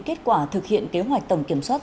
kết quả thực hiện kế hoạch tầm kiểm soát